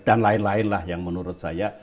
dan lain lain yang menurut saya